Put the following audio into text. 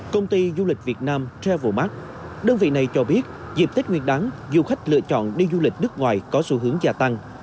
công ty du lịch việt nam travel mark đơn vị này cho biết dịp tết nguyên đáng du khách lựa chọn đi du lịch nước ngoài có xu hướng gia tăng